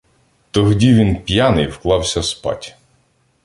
Тогді він п'яний вклався спать.